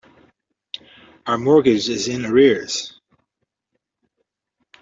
Our mortgage is in arrears.